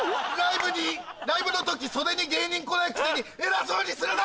ライブの時袖に芸人来ないくせに偉そうにするな！